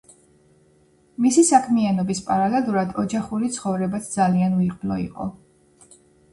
მისი საქმიანობის პარალელურად, ოჯახური ცხოვრებაც ძალიან უიღბლო იყო.